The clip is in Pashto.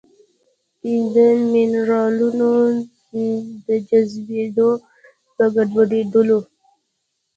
د مېنرالونو د جذبېدو په ګډوډولو